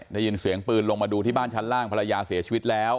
ได้ยินเสียงปืนลงมาดูที่บ้านชั้นล่างภรรยาเสียชีวิตแล้ว